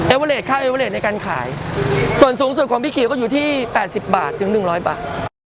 เอเวอเรจค่าเอเวอเรจในการขายส่วนสูงสุดของพี่เขียวก็อยู่ที่แปดสิบบาทถึงหนึ่งร้อยบาท